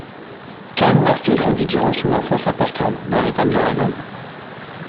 Kyle Murphy grandit durant son enfance à Portland, dans l'État de l'Oregon.